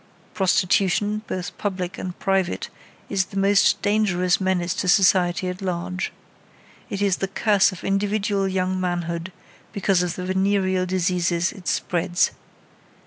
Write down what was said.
Prostitution, both public and private is the most dangerous menace to society at large. It is the curse of individual young manhood because of the venereal diseases it spreads.